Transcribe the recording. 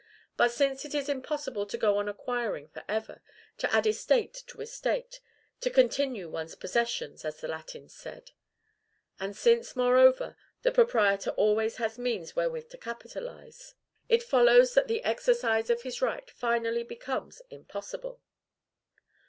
But, since it is impossible to go on acquiring for ever, to add estate to estate, to CONTINUE ONE'S POSSESSIONS, as the Latins said; and since, moreover, the proprietor always has means wherewith to capitalize, it follows that the exercise of his right finally becomes impossible.